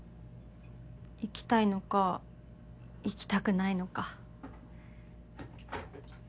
行きたいのか行きたくないのか。